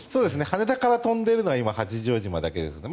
羽田から飛んでいるのは今、八丈島だけですね。